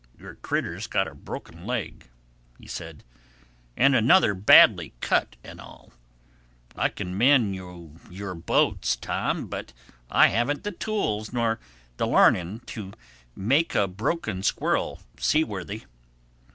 "Yon crittur's got a broken leg," he said—"and another badly cut an' all. I can mend you your boats, Tom, but I haven't the tools nor the learning to make a broken squirrel seaworthy.